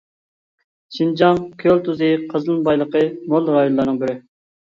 شىنجاڭ كۆل تۇزى قېزىلما بايلىقى مول رايونلارنىڭ بىرى.